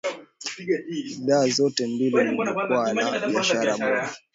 bidhaa zote mbili ni jukwaa la biashara bora